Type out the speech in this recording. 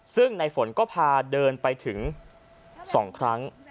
ซึ่งในฝนก็พาเดินไปถึง๒ครั้ง